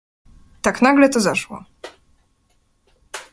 "Tak nagle to zaszło."